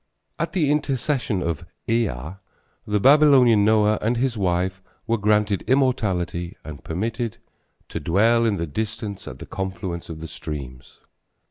At the intercession of Ea, the Babylonian Noah and his wife were granted immortality and permitted "to dwell in the distance at the confluence of the streams."